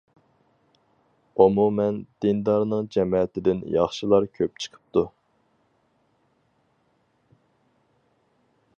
ئومۇمەن، دىندارنىڭ جەمەتىدىن ياخشىلار كۆپ چىقىپتۇ.